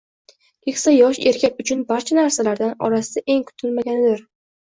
Keksa yosh erkak uchun barcha narsalar orasida eng kutilmaganidir.